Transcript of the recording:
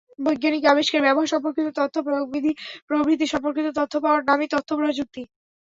বৈজ্ঞানিক আবিষ্কার, ব্যবহার-সম্পর্কিত তথ্য, প্রয়োগবিধি প্রভৃতি সম্পর্কিত তথ্য পাওয়ার নামই তথ্যপ্রযুক্তি।